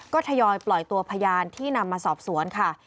ก็ทยอยปล่อยตัวพยานที่นำมาสอบสวนค่ะ